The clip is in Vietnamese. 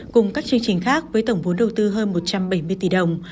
cùng các chương trình khác với tổng vốn đầu tư hơn một trăm bảy mươi tỷ đồng